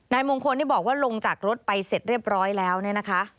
มงคลที่บอกว่าลงจากรถไปเสร็จเรียบร้อยแล้วเนี่ยนะคะ